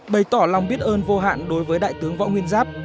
bày tỏ lòng biết ơn vô hạn đối với đại tướng võ nguyên giáp